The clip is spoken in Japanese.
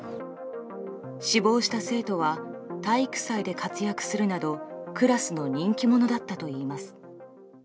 死亡した生徒は体育祭で活躍するなどクラスの人気者だったといいます。